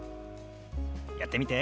やってみて。